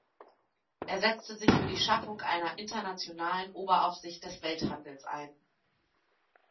Er setzte sich für die Schaffung einer internationalen Oberaufsicht des Welthandels ein.